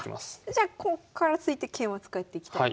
じゃあこっから突いて桂馬使っていきたいと。